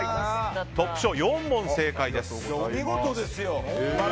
トップ賞、４問正解です。